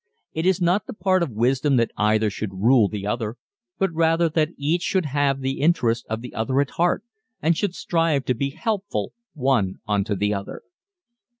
It is not the part of wisdom that either should rule the other, but rather that each should have the interest of the other at heart and should strive to be helpful one unto the other.